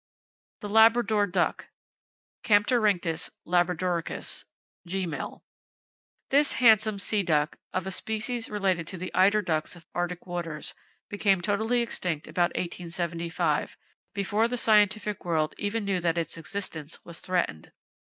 The Labrador Duck, —Camptorhynchus labradoricus, (Gmel.).—This handsome sea duck, of a species related to the eider ducks of arctic waters, became totally extinct about 1875, before the scientific world even knew that its existence was threatened.